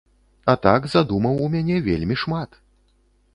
А так задумаў у мяне вельмі шмат.